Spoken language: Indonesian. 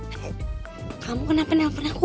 kamu kenapa nelfon aku